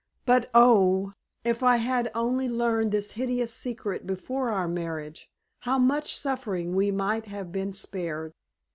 But, oh, if I had only learned this hideous secret before our marriage, how much suffering we might have been spared!"